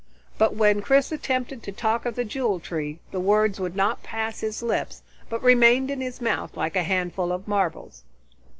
But when Chris attempted to talk of the Jewel Tree, the words would not pass his lips but remained in his mouth like a handful of marbles.